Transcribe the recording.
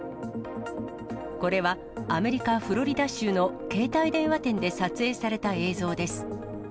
これは、アメリカ・フロリダ州の携帯電話店で撮影された映像です。